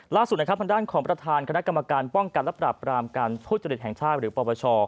ล่าสุดนะครับทางด้านของประธานคณะกรรมการป้องกันและปราบรามการทุจริตแห่งชาติหรือปปช